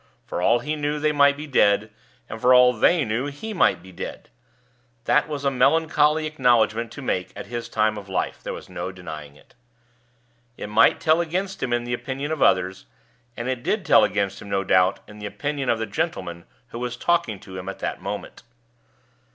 For all he knew they might be dead, and for all they knew he might be dead. That was a melancholy acknowledgment to make at his time of life, there was no denying it. It might tell against him in the opinions of others; and it did tell against him, no doubt, in the opinion of the gentleman who was talking to him at that moment.